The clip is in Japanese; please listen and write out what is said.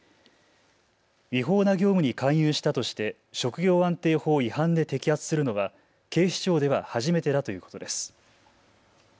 違法な業務に勧誘したとして職業安定法違反で摘発するのは警視庁では初めてだということです。